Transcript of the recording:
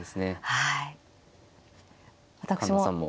はい。